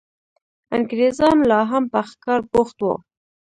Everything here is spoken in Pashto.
انګرېزان لا هم په ښکار بوخت وو.